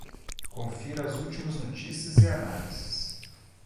Confira as últimas notícias e análises